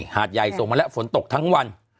หาดใหญ่ส่งมาแล้วฝนตกทั้งวัน